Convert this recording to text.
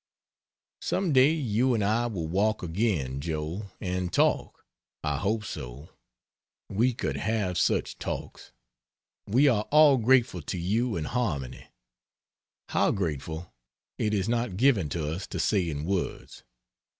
Some day you and I will walk again, Joe, and talk. I hope so. We could have such talks! We are all grateful to you and Harmony how grateful it is not given to us to say in words.